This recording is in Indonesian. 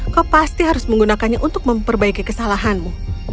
kau pasti harus menggunakannya untuk memperbaiki kesalahanmu